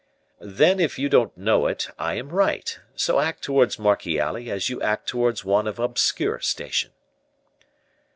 "Then if you don't know it, I am right; so act towards Marchiali as you act towards one of obscure station."